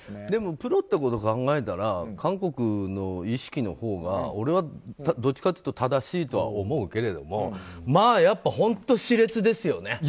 でもプロってことを考えたら韓国の意識のほうが俺はどっちかっていうと正しいとは思うけれども本当熾烈ですよね。